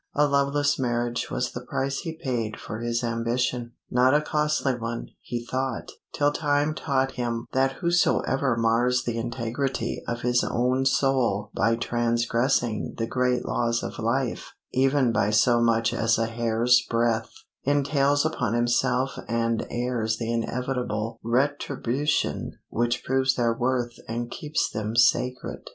A loveless marriage was the price he paid for his ambition; not a costly one, he thought, till time taught him that whosoever mars the integrity of his own soul by transgressing the great laws of life, even by so much as a hair's breadth, entails upon himself and heirs the inevitable retribution which proves their worth and keeps them sacred.